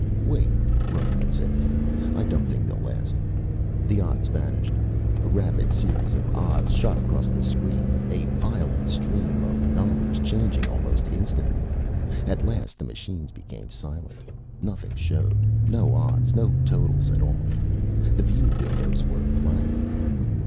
"Wait," Reinhart said to him. "I don't think they'll last." The odds vanished. A rapid series of odds shot across the screen, a violent stream of numbers, changing almost instantly. At last the machines became silent. Nothing showed. No odds. No totals at all. The view windows were blank.